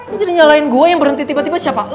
ini jadi nyalain gue yang berhenti tiba tiba siapa